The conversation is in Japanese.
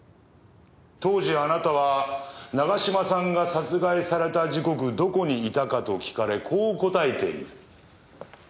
当時あなたは永嶋さんが殺害された時刻どこにいたかと聞かれこう答えている。